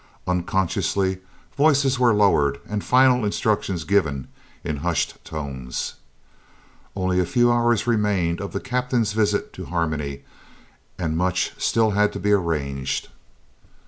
Unconsciously voices were lowered and final instructions given in hushed tones. Only a few hours remained of the Captain's visit to Harmony and much had still to be arranged.